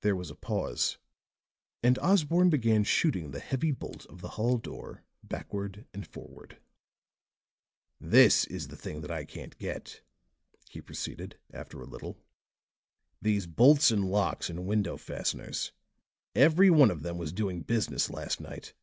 There was a pause; and Osborne began shooting the heavy bolt of the hall door backward and forward. "This is the thing that I can't get," he proceeded, after a little; "these bolts and locks and window fasteners. Every one of them was doing business last night.